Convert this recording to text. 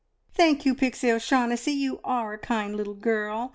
"Thank you, Pixie O'Shaughnessy; you are a kind little girl.